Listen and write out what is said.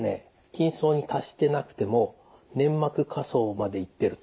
筋層に達してなくても粘膜下層までいってると。